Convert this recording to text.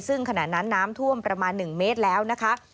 ซึ่งขณะนั้นน้ำท่วมประมาณ๑เมตรแล้วนะคะ